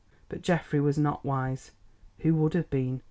But Geoffrey was not wise—who would have been?